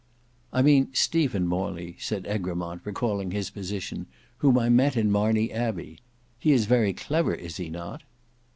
"I mean Stephen Morley," said Egremont recalling his position, "whom I met in Marney Abbey. He is very clever, is he not?"